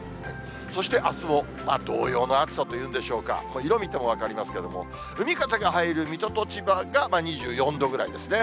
そしてあすも、同様の暑さというんでしょうか、色見ても分かりますけれども、海風が入る水戸と千葉が２４度ぐらいですね。